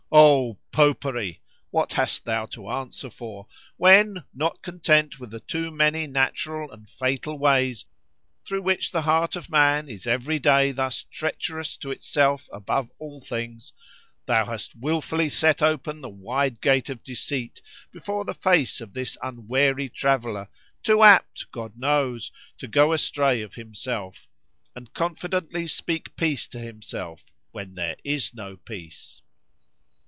O Popery! what hast thou to answer for!——when not content with the too many natural and fatal ways, thro' which the heart of man is every day thus treacherous to itself above all things;—thou hast wilfully set open the wide gate of deceit before the face of this unwary traveller, too apt, God knows, to go astray of himself, and confidently speak peace to himself, when there is no peace.